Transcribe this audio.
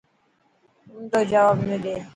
اونڌو جواب نه ڏي.